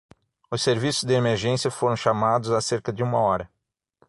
Os serviços de emergência foram chamados há cerca de uma hora.